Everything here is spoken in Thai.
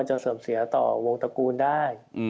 มันจะเสริมเสียต่อวงตระกูลได้